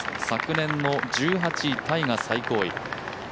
昨年の１８位タイが最高位。